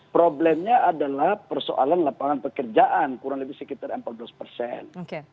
problemnya adalah persoalan lapangan pekerjaan kurang lebih sekitar empat belas persen